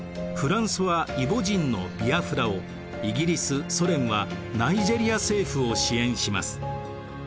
フランスはイボ人のビアフラをイギリス・ソ連はナイジェリア政府を支援します。